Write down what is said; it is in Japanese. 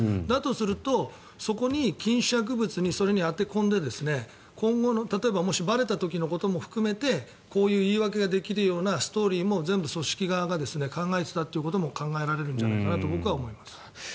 だとするとそこの禁止薬物に当て込んで今後の例えばもし、ばれた時のことも含めてこういう言い訳ができるようなストーリーも全部組織側が考えていたということも考えられるんじゃないかなと僕は思います。